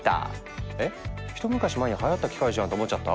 一昔前にはやった機械じゃんって思っちゃった？